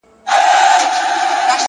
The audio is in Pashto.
دا ميـنــان به خامـخـا اوبـو ته اور اچـوي!